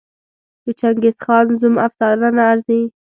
د چنګېزخان زوم افسانه نه ارزي.